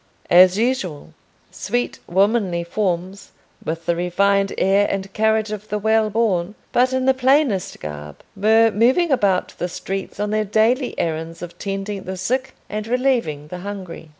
As usual, sweet womanly forms, with the refined air and carriage of the well born, but in the plainest garb, were moving about the streets on their daily errands of tending the sick and relieving the hungry.